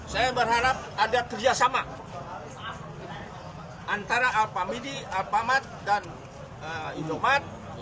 saya berharap ada kerjasama antara alpamidi alpamat dan indomat